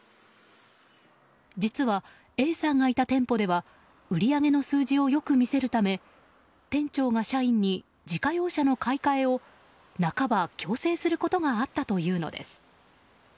実は、Ａさんがいた店舗では売り上げの数字をよく見せるため店長が社員に自家用車の買い替えを半ば強制することがあったというのです。